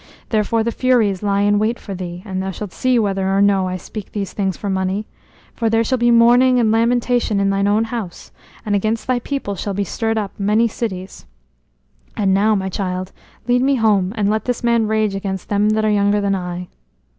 Therefore the Furies lie in wait for thee and thou shalt see whether or no I speak these things for money. For there shall be mourning and lamentation in thine own house, and against thy people shall be stirred up many cities. And now, my child, lead me home and let this man rage against them that are younger than I."